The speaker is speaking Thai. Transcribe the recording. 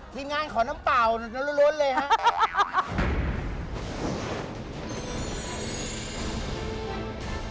ทีมงานขอน้ำเปล่าล้วนเลยครับ